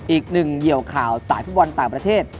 เหี่ยวข่าวสายฟุตบอลต่างประเทศ